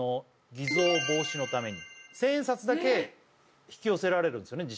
偽造防止のために千円札だけ引き寄せられるんすよね